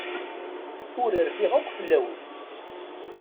Ur rfiɣ akk fell-awen.